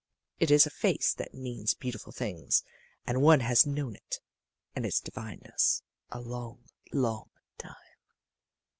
It is a face that means beautiful things and one has known it and its divineness a long, long time.